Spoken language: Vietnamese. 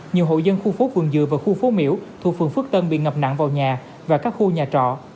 nhiều hộ dân khu phố vườn dừa và khu phố miễu thuộc phường phước tân bị ngập nặng vào nhà và các khu nhà trọ